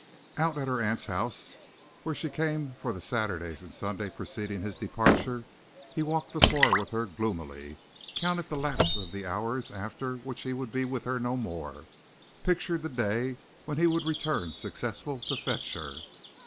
Out at her aunt's house, where she came for the Saturday and Sunday preceding his departure, he walked the floor with her gloomily, counted the lapse of the hours after which he would be with her no more, pictured the day when he would return successful to fetch her.